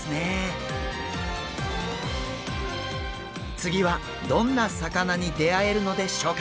次はどんな魚に出会えるのでしょうか？